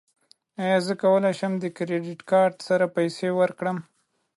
ایا زه کولی شم د کریډیټ کارت سره پیسې ورکړم؟